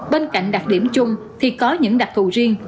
bên cạnh đặc điểm chung thì có những đặc thù riêng